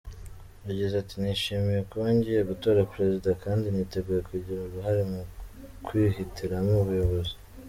Yagize ati “Nishimiye kuba ngiye gutora Perezida kandi niteguye kugira uruhare mu kwihitiramo umuyobozi.